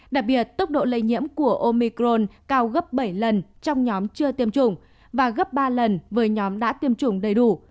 đặc biệt tốc độ lây nhiễm của omicron cao gấp bảy lần trong nhóm chưa tiêm chủng và gấp ba lần với nhóm đã tiêm chủng đầy đủ